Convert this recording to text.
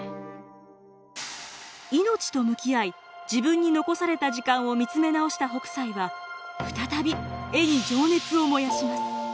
命と向き合い自分に残された時間を見つめ直した北斎は再び絵に情熱を燃やします。